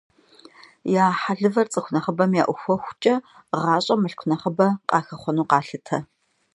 Я хьэлывэр цӀыху нэхъыбэм яӀухуэхукӀэ, гъэщӀэм мылъку нэхъыбэ къахэхъуэну къалъытэ.